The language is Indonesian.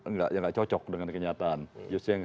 nggak cocok dengan kenyataan justru yang